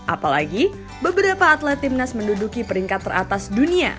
apalagi beberapa atlet timnas menduduki peringkat teratas dunia